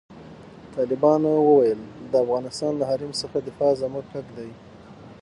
طالبانو وویل، د افغانستان له حریم څخه دفاع زموږ حق دی.